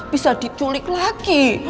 bisa diculik lagi